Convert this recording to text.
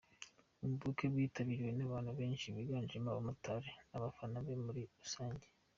Ubu bukwe bwitabiriwe n’abantu benshi biganjemo abamotari n’abafana be muri rusange.